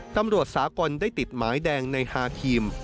ตำรวจสากลได้ติดหมายแดงในฮาครีม